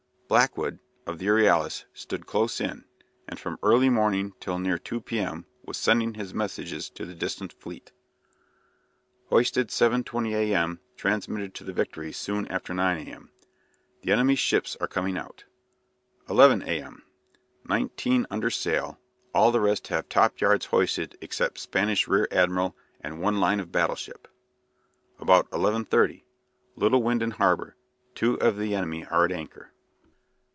Blackwood, of the "Euryalus," stood close in, and from early morning till near 2 p.m. was sending his messages to the distant fleet. Hoisted 7.20 a.m. transmitted to the "Victory" soon after 9 a.m.: "The enemy's ships are coming out." 11 a.m.: "Nineteen under sail. All the rest have top yards hoisted except Spanish rear admiral and one line of battle ship." About 11.3: "Little wind in harbour. Two of the enemy are at anchor."